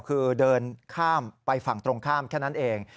คือเดินข้ามไปฝั่งตรงข้ามแค่นั้นเอง